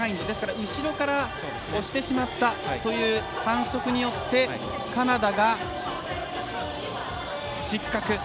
ですから、後ろから押してしまったという反則によってカナダが失格。